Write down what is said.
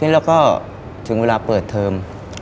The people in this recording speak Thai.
แล้วก็ถึงเวลาเปิดเทอม